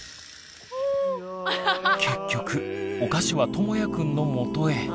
結局お菓子はともやくんのもとへ。